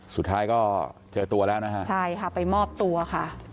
สุดท้ายก็เจอตัวแล้วนะฮะใช่ค่ะไปมอบตัวค่ะ